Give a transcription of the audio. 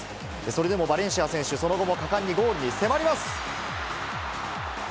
それでもバレンシア選手、その後も果敢にゴールに迫ります。